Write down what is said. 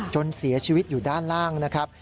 จนเสียชีวิตอยู่ด้านล่างนะครับ